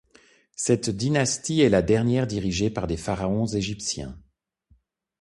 Cette dynastie est la dernière dirigée par des pharaons égyptiens.